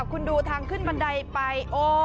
คุณดูทางขึ้นบันไดไป